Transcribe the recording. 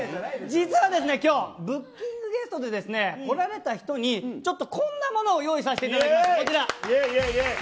実はですね、今日ブッキングゲストで来られた人にこんなものを用意させていただきました。